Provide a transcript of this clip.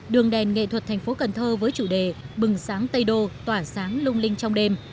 đường đèn nghệ thuật thành phố cần thơ với chủ đề bừng sáng tây đô tỏa sáng lung linh trong đêm